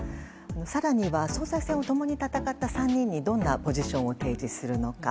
更には、総裁選を共に戦った３人にどんなポジションを提示するのか。